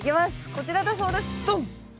こちらだそうですドン！